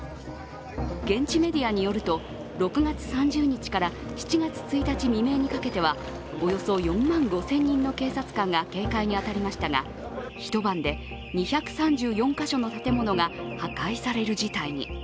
現地メディアによると６月３０日から７月１日未明にかけてはおよそ４万５０００人の警察官が警戒に当たりましたが一晩で２３４か所の建物が破壊される事態に。